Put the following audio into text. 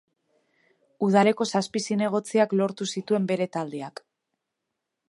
Udaleko zazpi zinegotziak lortu zituen bere taldeak.